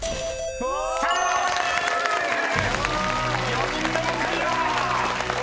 ［４人目もクリア！］